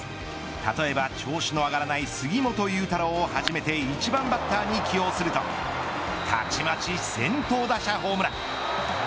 例えば調子の上がらない杉本裕太郎を初めて一番バッターに起用するとたちまち先頭打者ホームラン。